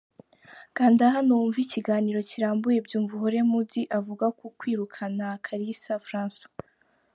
Kanda hano wumve ikiganiro kirambuye Byumvuhore Muddy avuga ku kwirukana Kalisa Francois.